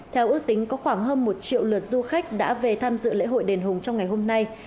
theo ước tính có khoảng hơn một triệu lượt du khách đã về tham dự lễ hội đền hùng trong ngày hôm nay